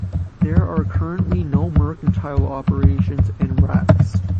There are currently no mercantile operations in Rex.